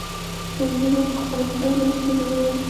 سپينږيرو په خپلو سترګو ليدلي وو.